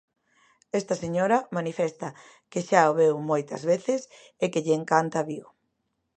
Esta señora manifesta que xa veu moitas veces e que lle encanta Vigo.